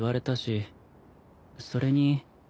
それに。